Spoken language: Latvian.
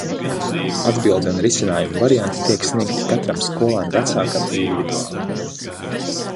Atbilde un risinājuma varianti tiek sniegti katram skolēna vecākam individuāli.